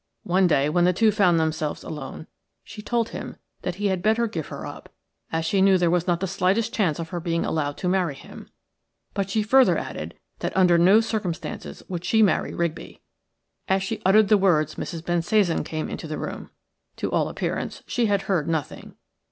One day when the two found themselves alone she told him that he had better give her up, as she knew there was not the slightest chance of her being allowed to marry him; but she further added that under no circumstances would she marry Rigby. As she uttered the words Mrs. Bensasan came into the room. To all appearance she had heard nothing.